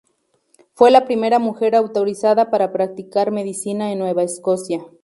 Fue la primera mujer autorizada para practicar medicina en Nueva Escocia.